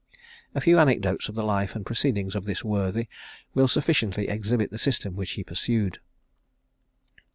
A few anecdotes of the life and proceedings of this worthy will sufficiently exhibit the system which he pursued.